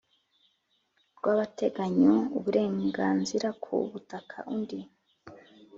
bw agateganyo uburenganzira ku butaka undi